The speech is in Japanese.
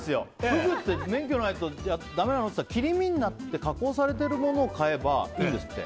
フグって免許ないとだめなのって聞いたら切り身になってて加工されてるものならいいんですって。